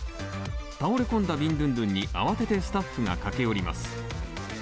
倒れ込んだビンドゥンドゥンに慌ててスタッフが駆け寄ります。